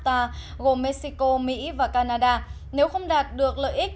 bộ trưởng kinh tế mexico mỹ và canada nếu không đạt được lợi ích